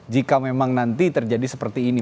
jika memang nanti terjadi seperti ini